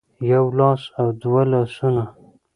يو لاس او دوه لاسونه